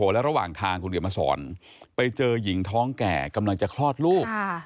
และระหว่างทางคุณเขียนมาสอนไปเจอหญิงท้องแก่กำลังจะคลอดลูก